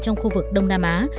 trong khu vực đông nam á